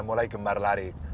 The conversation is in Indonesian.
mulai gemar lari